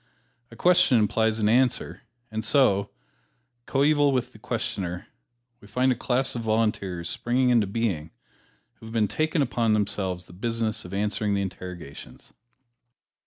A question implies an answer and so, coeval with the questioner, we find a class of Volunteers springing into being, who have taken upon themselves the business of answering the interrogations.